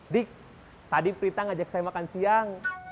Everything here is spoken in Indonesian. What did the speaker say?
dik tadi pritang ajak saya makan siang